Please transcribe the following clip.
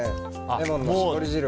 レモンの搾り汁を。